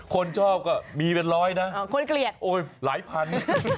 คนชอบก็มีเป็นร้อยนะคนเกลียดโอ้ยหลายพัน